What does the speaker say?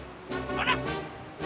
ほら。